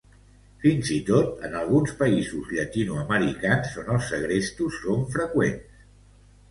Fins i tot en alguns països llatinoamericans on els segrestos són freqüents.